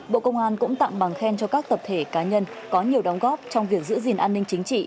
bộ công an cũng tặng bằng khen cho các tập thể cá nhân có nhiều đóng góp trong việc giữ gìn an ninh chính trị